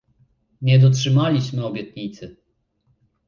Nie dotrzymaliśmy obietnicy